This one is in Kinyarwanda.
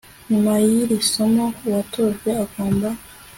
nyuma y'iri somo uwatojwe agomba